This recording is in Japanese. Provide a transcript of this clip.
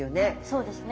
そうですね。